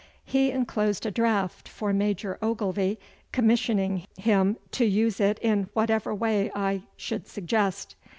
He enclosed a draft for Major Ogilvy, commissioning him to use it in whatever way I should suggest.